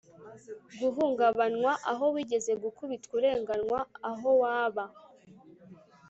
Guhungabanywa aho wigeze gukubitwa urenganywa aho waba